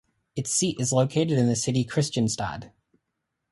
Its seat is located in the city Kristianstad.